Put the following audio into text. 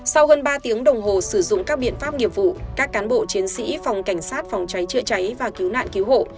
sau hơn ba tiếng đồng hồ sử dụng các biện pháp nghiệp vụ các cán bộ chiến sĩ phòng cảnh sát phòng cháy chữa cháy và cứu nạn cứu hộ